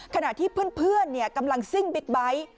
ขณะที่เพื่อนกำลังซิ่งบิ๊กไบท์